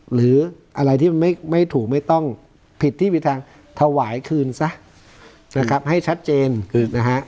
หรืออะไรที่มันไม่ถูกไม่ต้องผิดที่ผิดทางถวายคืนซะนะครับให้ชัดเจนนะฮะ